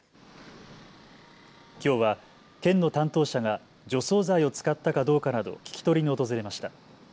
きょうは県の担当者が除草剤を使ったかどうかなど聞き取りに訪れました。